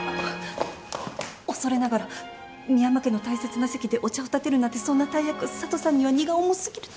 恐れながら深山家の大切な席でお茶をたてるなんてそんな大役佐都さんには荷が重すぎる。